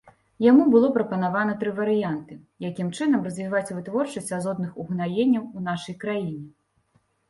Яму было прапанавана тры варыянты, якім чынам развіваць вытворчасць азотных угнаенняў у нашай краіне.